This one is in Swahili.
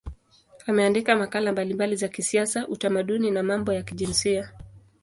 Ameandika makala mbalimbali za kisiasa, utamaduni na mambo ya kijinsia.